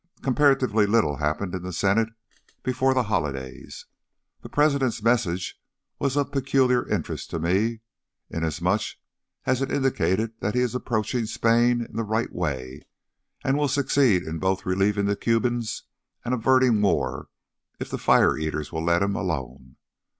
Comparatively little happened in the Senate before the holidays. The President's message was of peculiar interest to me, inasmuch as it indicated that he is approaching Spain in the right way and will succeed in both relieving the Cubans and averting war if the fire eaters will let him alone.